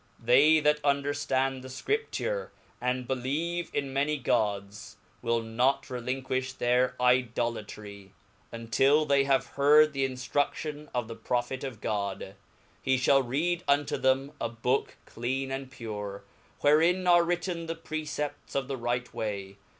They that nnderftand the Scripture, and believe in many gods, will not relinquifh their idolatry, untill they have heard the inftru aion of the Prophet of God; he (hall read unto them a book clean and pure, wherein are written the precepts of the right way.